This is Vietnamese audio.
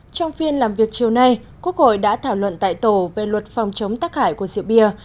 trong phiên làm việc chiều nay quốc hội đã thảo luận tại tổ về luật phòng chống tắc hại của rượu bia